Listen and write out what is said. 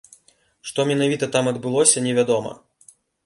Што менавіта там адбылося, невядома.